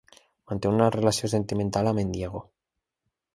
Manté una relació sentimental amb en Diego.